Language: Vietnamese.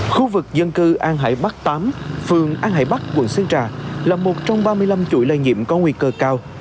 khu vực dân cư an hải bắc tám phường an hải bắc quận sơn trà là một trong ba mươi năm chuỗi lây nhiễm có nguy cơ cao